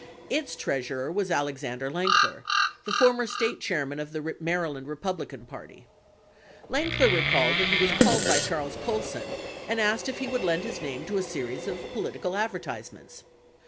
Its treasurer was Alexander Lankier, the former State chairman of the Maryland Re publican Party. Lankier recalled that he was called by Charles Colson and asked if he would lend his name to a series of political adver tisements.